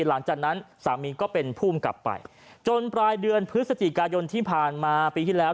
หลังจากนั้นสามีก็เป็นผู้อำกลับไปจนปลายเดือนพฤศจิกายนที่ผ่านมาปีที่แล้ว